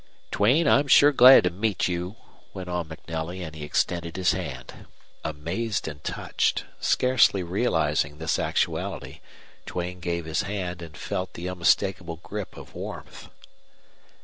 "Duane, I'm sure glad to meet you," went on MacNelly; and he extended his hand. Amazed and touched, scarcely realizing this actuality, Duane gave his hand and felt no unmistakable grip of warmth.